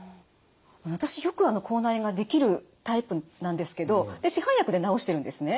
私よく口内炎ができるタイプなんですけど市販薬で治してるんですね。